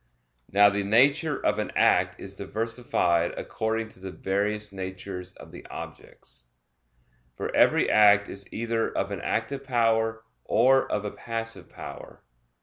Now the nature of an act is diversified according to the various natures of the objects. For every act is either of an active power or of a passive power.